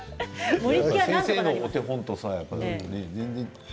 先生のお手本と全然。